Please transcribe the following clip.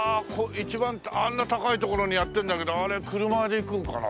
一番あんな高い所にやってるんだけどあれ車で行くのかな？